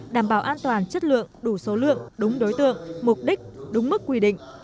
đảm bảo an toàn chất lượng đủ số lượng đúng đối tượng mục đích đúng mức quy định